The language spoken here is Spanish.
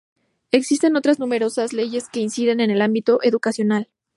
Existen otras numerosas leyes que inciden en el ámbito educacional.